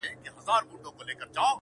ملت ړوند دی د نجات لوری یې ورک دی.!